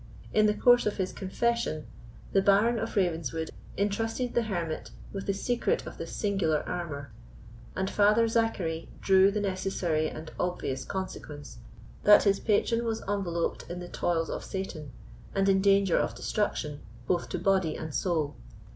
In the course of his confession, the Baron of Ravenswood entrusted the hermit with the secret of this singular amour, and Father Zachary drew the necessary and obvious consequence that his patron was enveloped in the toils of Satan, and in danger of destruction, both to body and soul.